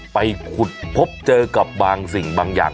ไปขุดพบเจอกับบางสิ่งบางอย่าง